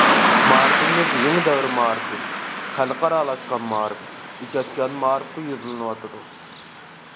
مائارىپىمىز يېڭى دەۋر مائارىپى، خەلقئارالاشقان مائارىپ، ئىجادچان مائارىپقا يۈزلىنىۋاتىدۇ.